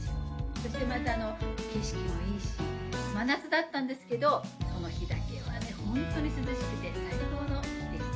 そしてまた景色もいいし真夏だったんですけどこの日だけはねホントに涼しくて最高の日でした